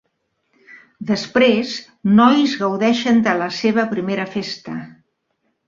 Després, nois gaudeixen de la seva primera festa.